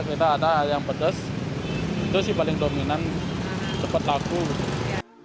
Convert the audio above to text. kita ada ayam pedas itu sih paling dominan cepat laku gitu